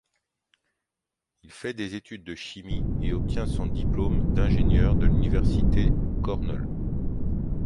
Il fait des études de chimie et obtient son diplôme d'ingénieur de l'université Cornell.